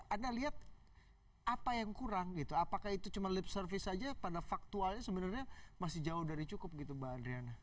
anda lihat apa yang kurang gitu apakah itu cuma lip service saja pada faktualnya sebenarnya masih jauh dari cukup gitu mbak adriana